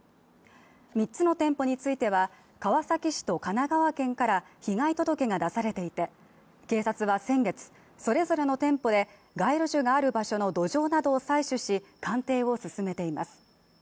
３つの店舗については、川崎市と神奈川県から被害届が出されていて警察は先月、それぞれの店舗で街路樹がある場所の土壌などの鑑定を進めています。